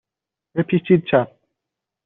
بپیچید چپ.